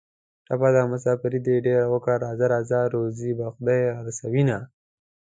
ټپه ده: مسافري دې ډېره وکړه راځه راځه روزي به خدای را رسوینه